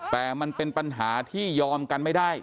แต่มันเป็นปัญหาที่ยอมกันไม่ได้